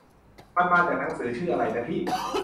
มันมาจากหนังสือชื่ออะไรนะพี่ ?